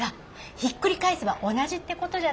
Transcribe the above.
ひっくり返せば同じって事じゃない？